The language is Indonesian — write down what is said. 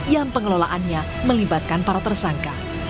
yang pengelolaannya melibatkan para tersangka